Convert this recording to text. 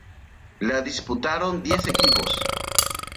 La disputaron diez equipos.